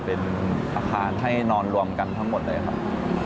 เป็นอาคารให้นอนรวมกันทั้งหมดเลยครับ